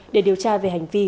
để điều tra về hành vi